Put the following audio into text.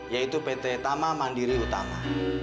yaitu pt tama mandiri utama